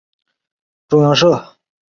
中央社